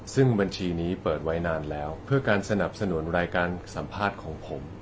ซึ่งบัญชีนี้เปิดไว้นานแล้วเพื่อการสนับสนุนรายการสัมภาษณ์ของผม